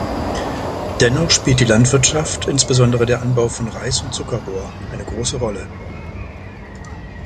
Dennoch spielt die Landwirtschaft, insbesondere der Anbau von Reis und Zuckerrohr, eine große Rolle.